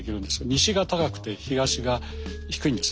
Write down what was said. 西が高くて東が低いんです。